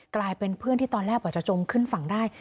กลายเป็นเพื่อนที่ตอนแรกกว่าจะจมขึ้นฝั่งได้